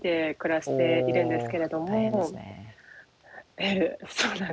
ええそうなんです。